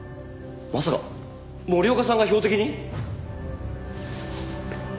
まさか森岡さんが標的に？